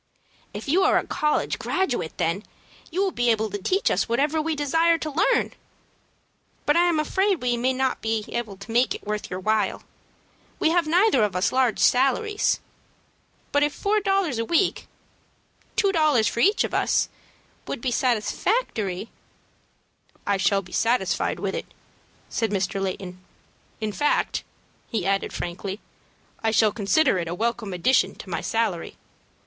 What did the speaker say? "If you are a college graduate, then, you will be able to teach us whatever we desire to learn. But I am afraid we may not be able to make it worth your while. We have neither of us large salaries. But if four dollars a week two dollars for each of us would be satisfactory " "I shall be satisfied with it," said Mr. Layton. "In fact," he added, frankly, "I shall consider it quite a welcome addition to my salary.